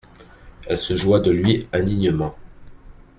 Elle se joua de lui indignement.